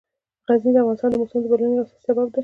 غزني د افغانستان د موسم د بدلون یو اساسي سبب کېږي.